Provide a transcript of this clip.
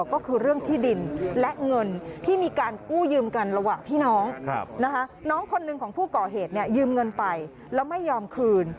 ก็คือเรื่องที่ดินและเงินที่มีการกู้ยืมกันระหว่างพี่น้องน้องคนหนึ่งของผู้ก่อเหตุยืมเงินไปแล้วไม่ยอมคืน